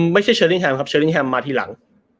ไม่ใช่เชอร์ลิ้งแฮมครับเชอร์ลิ้งแฮมมาทีหลัง